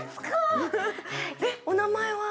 えっお名前は？